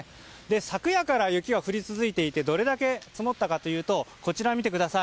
昨夜から雪は降り続いていてどれだけ積もったかというとこちら、見てください。